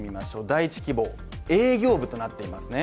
第１希望、営業部となっていますね。